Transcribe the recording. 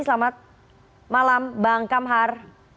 selamat malam bang kamhar